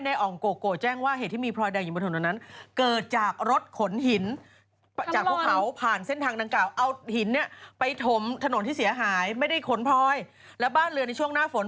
ในองค์โกโก้แจ้งว่าเหตุที่มีพลอยแดงอยู่บนถนนนั้น